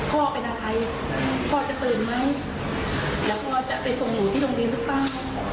แล้วพ่อจะไปส่งหนูที่โรงเรียนสุดตาม